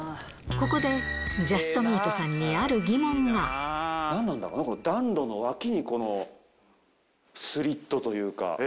ここで、ジャストミートさんなんなんだろう、暖炉の脇にこのスリットというか。